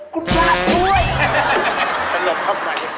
คุณพะด้วยต้องชอบต่อกัน